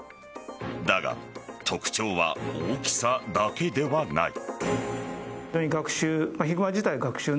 だが、特徴は大きさだけではない。